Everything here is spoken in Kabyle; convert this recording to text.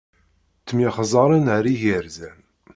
Ttemyexzaren ar igerzan.